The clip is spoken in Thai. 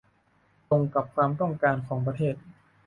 ตรงกับความต้องการของประเทศ